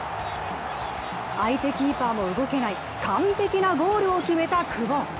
相手キーパーも動けない完璧なゴールを決めた久保。